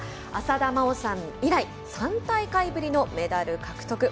浅田真央さん以来３大会ぶりのメダル獲得。